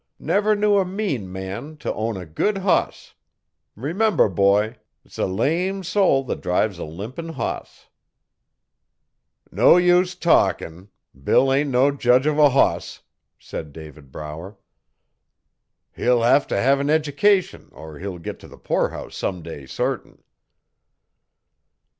Never knew a mean man t' own a good hoss. Remember, boy, 's a lame soul thet drives a limpin' hoss.' 'No use talkin'; Bill ain' no jedge uv a hoss' said David Brower. 'He'll hev t' hev an education er he'll git t' the poorhouse someday sartin.'